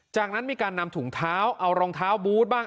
จากนั้นมีการนำถุงเท้าเอารองเท้าบูธบ้าง